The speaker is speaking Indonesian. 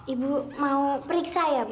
ibu mau periksa ya pak